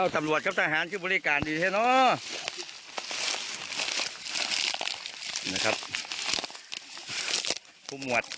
ตำรวจกับทหารชื่อบริการดีแท้เนาะ